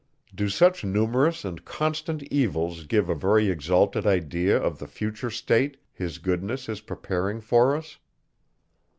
Do such numerous and constant evils give a very exalted idea of the future state, his goodness is preparing for us?